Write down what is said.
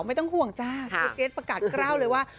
ไม่ต้องห่วงจ้าพี่เกรทประกาศกล้าวเลยว่า